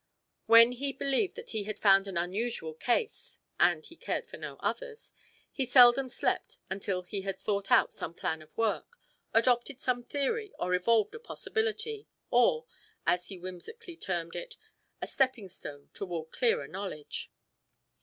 When he believed that he had found an unusual case and he cared for no others he seldom slept until he had thought out some plan of work, adopted some theory, or evolved a possibility, or, as he whimsically termed it, a "stepping stone" toward clearer knowledge.